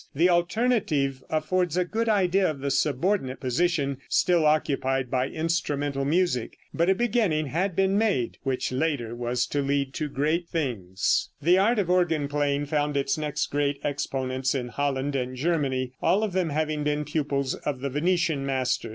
The alternative affords a good idea of the subordinate position still occupied by instrumental music, but a beginning had been made, which later was to lead to great things. [Illustration: Fig. 48. JEAN PIETERS SWELINCK.] The art of organ playing found its next great exponents in Holland and Germany, all of them having been pupils of the Venetian master.